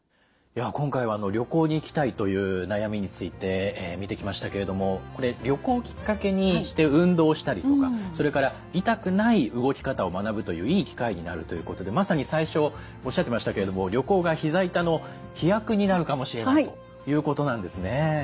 今回は旅行に行きたいという悩みについて見てきましたけれどもこれ旅行をきっかけにして運動したりとかそれから痛くない動き方を学ぶといういい機会になるということでまさに最初おっしゃってましたけれども旅行がひざ痛の秘薬になるかもしれないということなんですね。